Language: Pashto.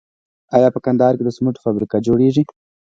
آیا په کندهار کې د سمنټو فابریکه جوړیږي؟